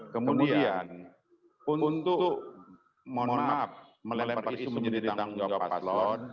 kemudian untuk mohon maaf melepar isu menjadi tanggung jawab pak arjo